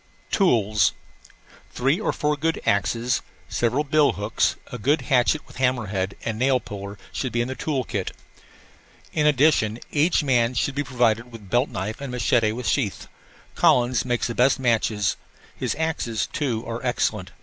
TOOLS Three or four good axes, several bill hooks, a good hatchet with hammer head and nail puller should be in the tool kit. In addition, each man should be provided with a belt knife and a machete with sheath. Collins makes the best machetes. His axes, too, are excellent.